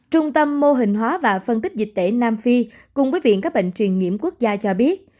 trung tâm mô hình hóa và phân tích dịch tễ nam phi cùng với viện các bệnh truyền nhiễm quốc gia cho biết